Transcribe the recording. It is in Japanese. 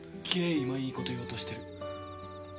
今いいこと言おうとしてる。